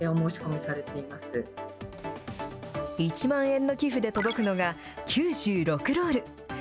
１万円の寄付で届くのが、９６ロール。